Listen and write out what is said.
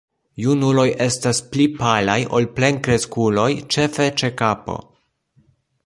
Junuloj estas pli palaj ol plenkreskuloj, ĉefe ĉe kapo.